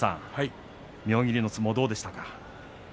妙義龍の相撲、どうでしたか。